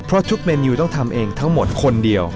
เพราะทุกเมนูต้องทำเองทั้งหมดคนเดียว